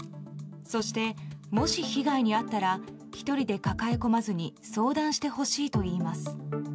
そして、もし被害に遭ったら１人で抱え込まずに相談してほしいといいます。